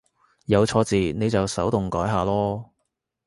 有錯字你就手動改下囉